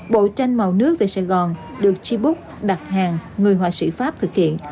bộ tranh màu nước về sài gòn được chi bút đặt hàng người hòa sĩ pháp thực hiện